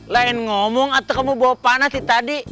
lain ngomong atau kamu bawa panas sih tadi